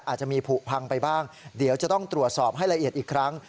อาจจะมีผูกพังไปบ้างเดี๋ยวจะต้องตรวจสอบให้ละเอียดอีกครั้ง